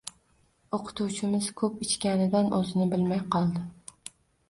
Oʻqituvchimiz koʻp ichganidan oʻzini bilmay qoldi.